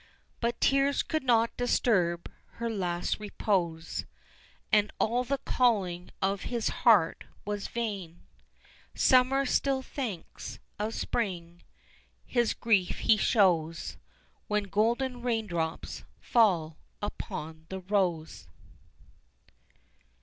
But tears could not disturb her last repose, And all the calling of his heart was vain. Summer still thinks of Spring his grief he shows, When golden raindrops fall upon the rose.